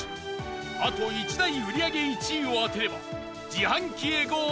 あと１台売り上げ１位を当てれば自販機へゴー！